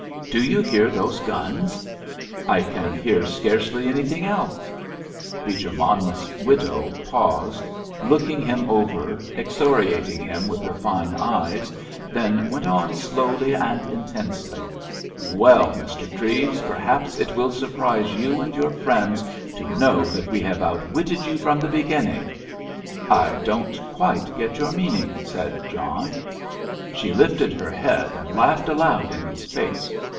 "Do you hear those guns?" "I can hear scarcely anything else!" Beecher Monmouth's widow paused, looking him over, excoriating him with her fine eyes; then went on slowly and intensely. "Well, Mr. Treves, perhaps it will surprise you and your friends to know that we have outwitted you from the beginning." "I don't quite get your meaning," said John. She lifted her head and laughed aloud in his face.